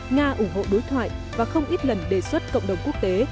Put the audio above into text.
nga ủng hộ đối thoại và không ít lần đề xuất cộng đồng quốc tế